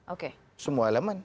oke semua elemen